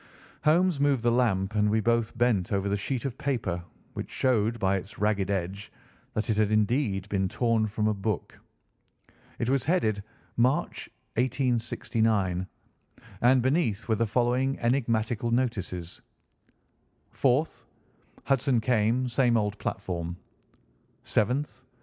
Holmes moved the lamp, and we both bent over the sheet of paper, which showed by its ragged edge that it had indeed been torn from a book. It was headed, "March, 1869," and beneath were the following enigmatical notices: "4th. Hudson came. Same old platform. "7th.